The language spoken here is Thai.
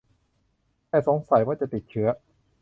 แต่ต้องสงสัยว่าจะติดเชื้อ